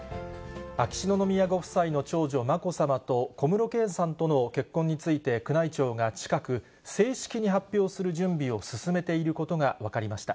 秋篠宮ご夫妻の長女、まこさまと小室圭さんとの結婚について宮内庁が近く、正式に発表する準備を進めていることが分かりました。